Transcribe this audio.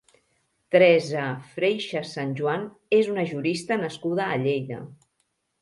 Teresa Freixes Sanjuán és una jurista nascuda a Lleida.